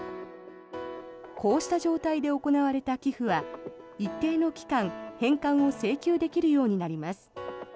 こうした状態で行われた寄付は一定の期間返還を請求できるようになります。